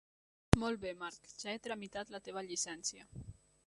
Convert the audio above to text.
Molt bé, Marc, ja he tramitat la teva llicència.